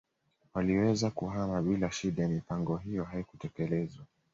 Waliweza kuhama bila shida mipango hiyo haikutekelezwa